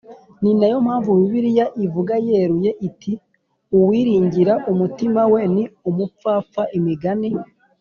Ni na yo mpamvu Bibiliya ivuga yeruye iti uwiringira umutima we ni umupfapfa Imigani